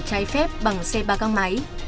trái phép bằng xe ba găng máy